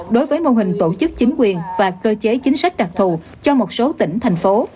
đối với mô hình tổ chức chính quyền và cơ chế chính sách đặc thù cho một số tỉnh thành phố